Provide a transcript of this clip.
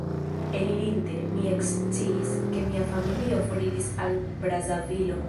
Elirinte, mi eksciis, ke mia familio foriris al Brazavilo.